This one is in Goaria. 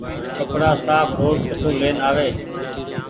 ڪپڙآ ساڦ روز ڪٺو لين آوي۔